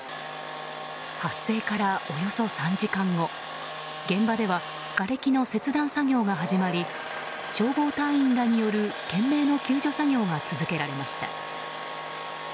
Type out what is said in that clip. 発生からおよそ３時間後現場ではがれきの切断作業が始まり、消防隊員らによる懸命の救助作業が続けられました。